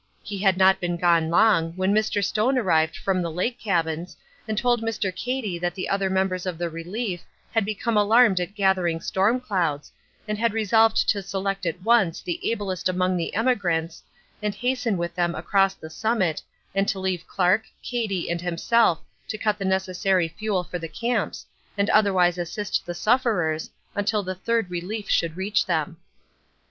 He had not been gone long, when Mr. Stone arrived from the lake cabins and told Mr. Cady that the other members of the Relief had become alarmed at gathering storm clouds, and had resolved to select at once the ablest among the emigrants and hasten with them across the summit, and to leave Clark, Cady, and himself to cut the necessary fuel for the camps, and otherwise assist the sufferers until the Third Relief should reach them.